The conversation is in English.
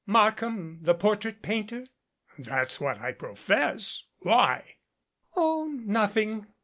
"Markham, the portrait painter?" "That's what I profess. Why?" "Oh, nothing."